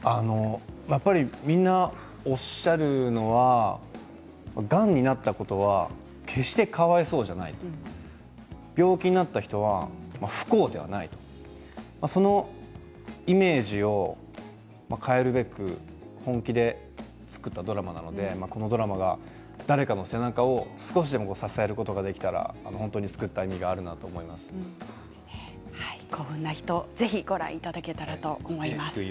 やっぱりみんなおっしゃるのはがんになったことは決してかわいそうじゃない病気になった人は不幸ではないそのイメージを変えるべく本気で作ったドラマなのでこのドラマが誰かの背中を少しでも支えることができたら本当に作った意味があるなとぜひご覧いただけたらと思います。